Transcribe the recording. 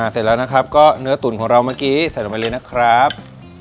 เสร็จแล้วนะครับก็เนื้อตุ๋นของเราเมื่อกี้ใส่ลงไปเลยนะครับ